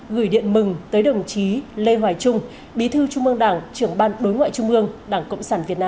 gửi điện mừng tới đồng chí lê hoài trung bí thư chung bằng đảng trưởng ban đối ngoại chung bằng đảng cộng sản việt nam